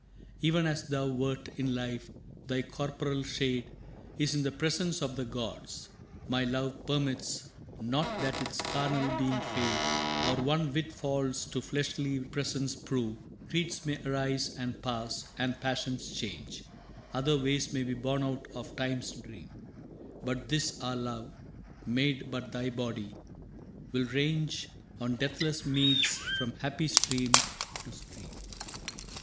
Even as thou wert in life, thy corporal shade Is in the presence of the gods. My love Permits not that its carnal being fade Or one whit false to fleshly presence prove. Creeds may arise and pass, and passions change, Other ways may be born out of Time's dream, But this our love, made but thy body, 'll range On deathless meads from happy stream to stream.